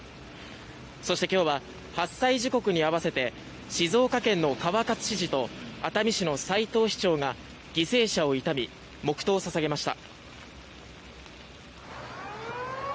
そして今日は発災時刻に合わせて静岡県の川勝知事と熱海市の齊藤市長が犠牲者を悼み黙祷を捧げました。